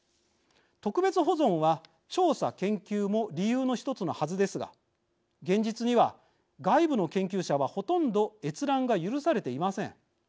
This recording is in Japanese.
特別保存は調査研究も理由の１つのはずですが現実には外部の研究者はほとんど閲覧が許されていません。